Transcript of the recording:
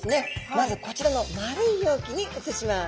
まずこちらの丸い容器に移します。